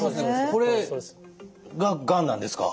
これががんなんですか。